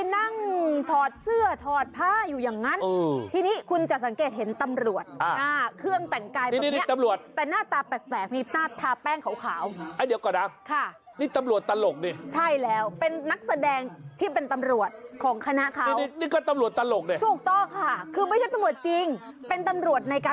แต่คู่นี้เขาขอให้เลิกอะไร